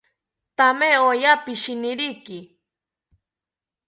Thame oya pishiniriki